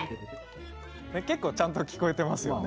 結構ちゃんと聞こえますね。